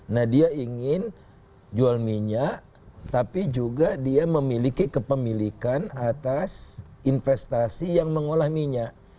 nah dia ingin jual minyak tapi juga dia memiliki kepemilikan atas investasi yang mengolah minyak